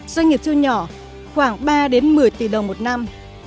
doanh nghiệp siêu nhỏ khoảng ba một mươi tỷ đồng một năm